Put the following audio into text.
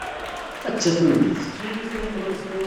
Atta tungift!